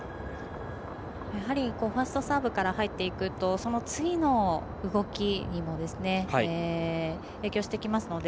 ファーストサーブから入っていくとその次の動きにも影響してきますので。